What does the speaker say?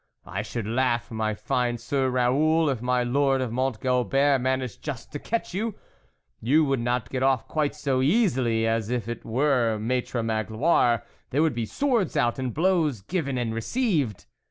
I should laugh, my fine Sir Raoul, if my Lord of Mont Gobert managed just to catch you ! You would not get off quite so easily as if it were Maitre Magloire ; there would be swords out, and blows given and re ceived